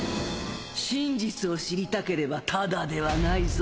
真実を知りたければただではないぞ。